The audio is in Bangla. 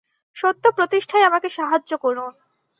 সত্য প্রতিষ্ঠায় আমাকে সাহায্য করুন।